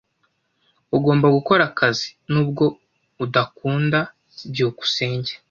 Ugomba gukora akazi, nubwo udakunda. byukusenge